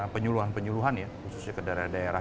penyuluhan penyuluhan ya khususnya ke daerah daerah